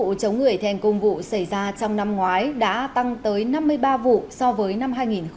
vụ chống người thi hành công vụ xảy ra trong năm ngoái đã tăng tới năm mươi ba vụ so với năm hai nghìn một mươi tám